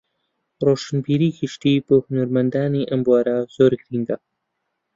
ڕۆشنبیریی گشتی بۆ هونەرمەندانی ئەم بوارە زۆر گرنگە